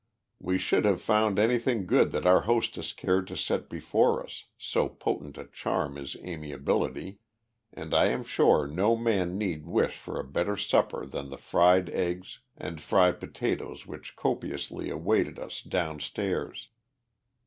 We should have found anything good that our hostess cared to set before us so potent a charm is amiability and I am sure no man need wish for a better supper than the fried eggs and fried potatoes which copiously awaited us down stairs.